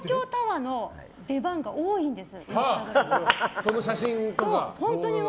その写真とか。